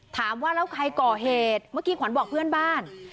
ถามว่าแล้วใครก่อเหตุเมื่อกี้ขวัญบอกเพื่อนบ้าน